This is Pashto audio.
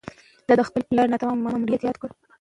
ده د خپل پلار ناتمام ماموریت یاد کړ.